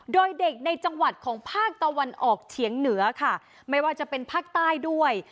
โดยเด็กในจังหวัดของภาคตะวันออกเฉียงเหนือค่ะไม่ว่าจะเป็นภาคใต้ด้วย